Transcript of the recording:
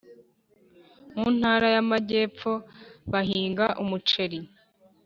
Mu ntara yamajyepfo bahinga umuceri